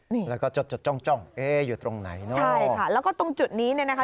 นี่แล้วก็จดจดจ้องจ้องเอ๊ะอยู่ตรงไหนเนอะใช่ค่ะแล้วก็ตรงจุดนี้เนี่ยนะคะ